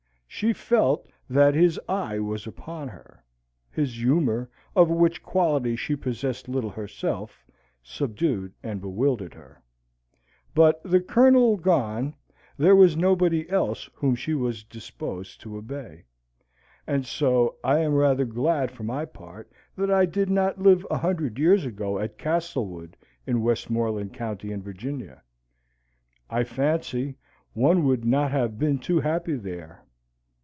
She felt that his eye was upon her; his humour, of which quality she possessed little herself, subdued and bewildered her. But, the Colonel gone, there was nobody else whom she was disposed to obey, and so I am rather glad for my part that I did not live a hundred years ago at Castlewood in Westmorland County in Virginia. I fancy, one would not have been too happy there.